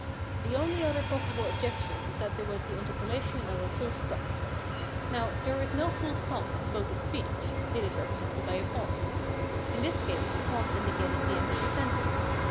The only other possible objection is that there was the interpolation of a full stop. Now, there is no full stop in spoken speech : it is represented by a pause. In this case the pause indicated the end of a sentence.